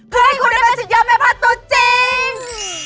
เพื่อให้คุณได้เป็นสิทธิ์ยอมแม่ภาตุจริง